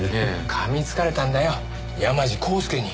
噛みつかれたんだよ山路康介に。